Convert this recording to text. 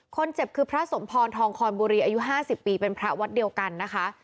คนเจ็บคือพระสมพรทองคอนบุรีอายุ๕๐ปีเป็นพระวัดเดียวกันนะคะ